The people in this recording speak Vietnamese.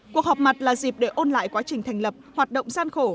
cuộc họp mặt là dịp để ôn lại quá trình thành lập hoạt động gian khổ